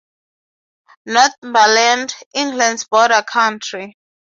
Northumberland: England's Border Country.